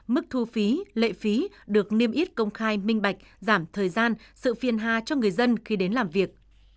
mức thu phí lệ phí được niêm yết công khai minh bạch giảm thời gian sự phiền hà cho người dân khi đến làm việc